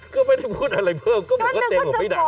ก็ไม่ได้พูดอะไรเพิ่มก็เหมือนก็เตียงผมไม่ดัง